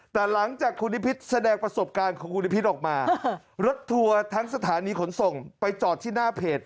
แต่หลังจากคุณนิพิษแสดงประสบการณ์ของคุณนิพิษออกมารถทัวร์ทั้งสถานีขนส่งไปจอดที่หน้าเพจ